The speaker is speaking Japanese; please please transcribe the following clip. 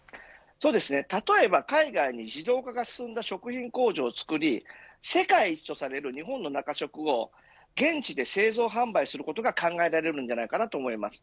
例えば海外に自動化が進んだ食品工場を作り世界一とされる日本の中食を現地で製造販売することが考えられると思います。